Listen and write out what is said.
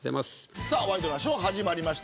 ワイドナショー始まりました。